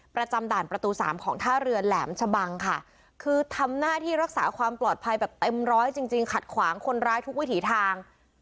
ประจำด่านประตูสามของท่าเรือแหลมชะบังค่ะคือทำหน้าที่รักษาความปลอดภัยแบบเต็มร้อยจริงจริงขัดขวางคนร้ายทุกวิถีทาง